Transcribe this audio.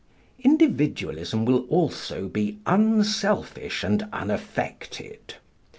Individualism will also be unselfish and unaffected.